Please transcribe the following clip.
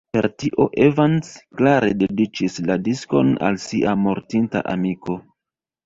Per tio Evans klare dediĉis la diskon al sia mortinta amiko.